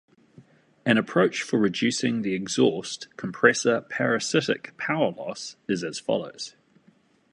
An approach for reducing the exhaust compressor parasitic power loss is as follows.